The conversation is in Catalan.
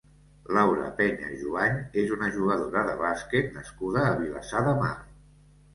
Laura Peña Jubany és una jugadora de bàsquet nascuda a Vilassar de Mar.